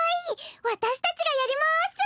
私たちがやります！